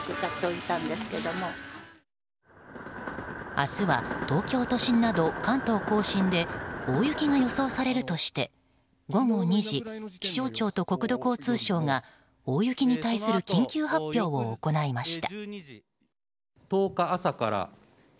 明日は東京都心など関東・甲信地方で大雪が予想されるとして午後２時気象庁と国土交通省が大雪に対する緊急発表を行いました。